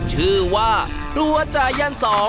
ชื่อว่าครัวจ่ายัน๒